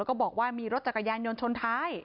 ก็บอกว่ามีรถจักรยานยนต์ชนท้าย